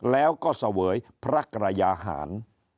แล้วก็เสวยพระกรยาหาร